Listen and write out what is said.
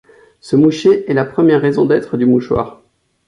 Se moucher est la première raison d'être du mouchoir.